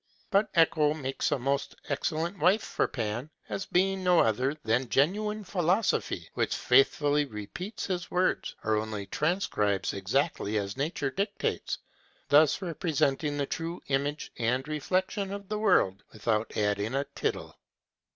But Echo makes a most excellent wife for Pan, as being no other than genuine philosophy, which faithfully repeats his words, or only transcribes exactly as nature dictates; thus representing the true image and reflection of the world without adding a tittle.